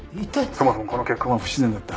「そもそもこの結婚は不自然だった」